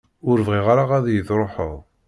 Ur bɣiɣ ara ad iyi-truḥeḍ.